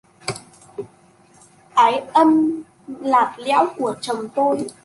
Ái ân lạt lẽo của chồng tôi